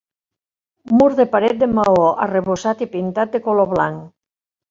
Mur de paret de maó arrebossat i pintat de color blanc.